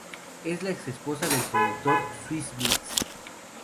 Es la ex-esposa del productor Swizz Beatz.